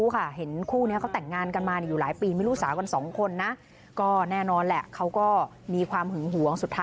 มันเอาเงินไปใช้จ่ายที่อื่น